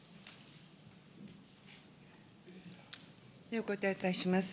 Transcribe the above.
お答えいたします。